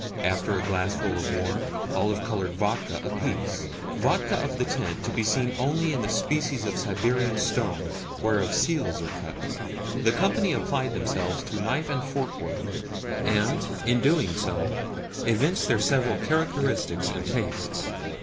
After a glassful of warm, olive coloured vodka apiece vodka of the tint to be seen only in the species of Siberian stone whereof seals are cut the company applied themselves to knife and fork work, and, in so doing, evinced their several characteristics and tastes.